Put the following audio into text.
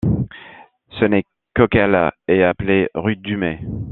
Ce n'est qu'au qu'elle est appelée rue du May.